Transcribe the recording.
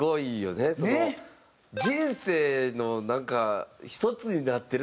人生のなんか１つになってるとか